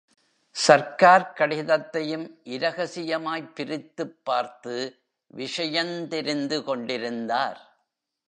சர்க்கார்க் கடிதத்தையும் இரகசியமாய்ப் பிரித்துப் பார்த்து விஷயந் தெரிந்து கொண்டிருந்தார்.